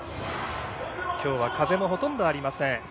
きょうは風もほとんどありません。